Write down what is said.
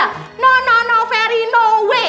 tidak tidak tidak ferry tidak mungkin